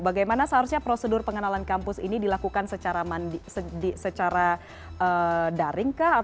bagaimana seharusnya prosedur pengenalan kampus ini dilakukan secara daring kah